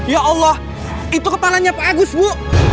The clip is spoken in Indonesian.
ya allah itu kepalanya pak agus bu